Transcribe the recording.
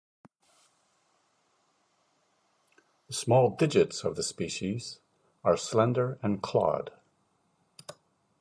The small digits of the species are slender and clawed.